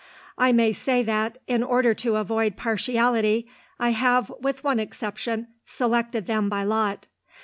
I may say that, in order to avoid partiality, I have, with one exception, selected them by lot.